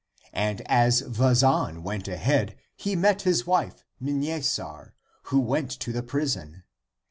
And as Vazan went ahead, he met his wife Mnesar, who went to the prison.